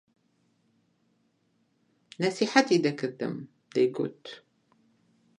نسحەتی دەکردم دەیگوت: